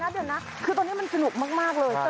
เดี๋ยวครึ่งนี้มันสนุกมากเลย